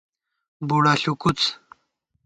بُوڑہ ݪُوکُوڅ